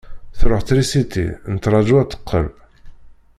Truḥ trisiti, nettraju ad d-teqqel.